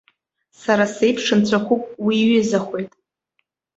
Сара сеиԥш нцәахәык уиҩызахоит.